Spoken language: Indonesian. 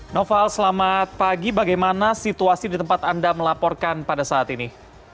noval selamat pagi bagaimana situasi di tempat anda melaporkan pada saat ini